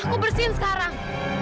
aku bersihin sekarang